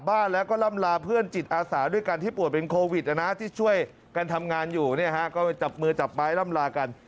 บ้านแล้วก็ล่ำลาเพื่อนจิตอาสาด้วยกันที่ป่วยเป็นโควิดนะนะที่ช่วยกันทำงานอยู่เนี่ยฮะก็ไปจับมือจับไม้ล่ำลากัน